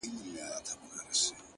د روح څه قصور نه و حرکت خاورې ايرې کړ’